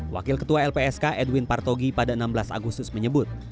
wakil ketua lpsk edwin partogi pada enam belas agustus menyebut